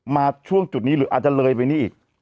มาช่วงจุดนี้หรืออาจจะเลยไปนี่อีก